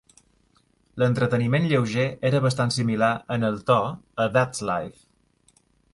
L"entreteniment lleuger era bastant similar en el to a That's Life!